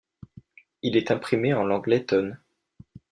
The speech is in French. Il est imprimé en langue lettonne.